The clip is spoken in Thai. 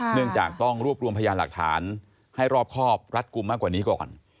เนื่องจากต้องรวบรวมพยานหลักฐานให้รอบครอบรัดกลุ่มมากกว่านี้ก่อน